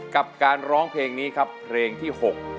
กับการร้องเพลงนี้ครับเพลงที่๖